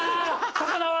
魚は？